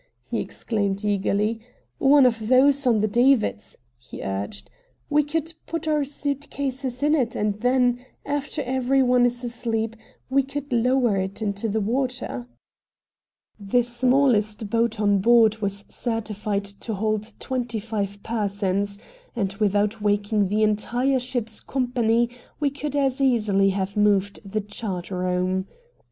he exclaimed eagerly "one of those on the davits," he urged "we could put our suitcases in it and then, after every one is asleep, we could lower it into the water." The smallest boat on board was certified to hold twenty five persons, and without waking the entire ship's company we could as easily have moved the chart room.